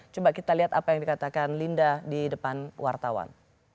coba kita lihat apa yang dikatakan linda di depan wartawan